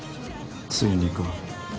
ついにか。